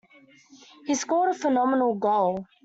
He scored a phenomenal goal.